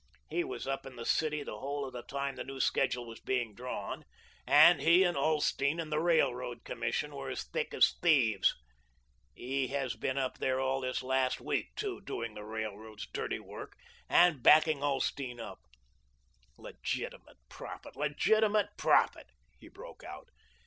"He was up in the city the whole of the time the new schedule was being drawn, and he and Ulsteen and the Railroad Commission were as thick as thieves. He has been up there all this last week, too, doing the railroad's dirty work, and backing Ulsteen up. 'Legitimate profit, legitimate profit,'" he broke out.